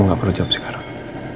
kamu gak perlu jawab sekarang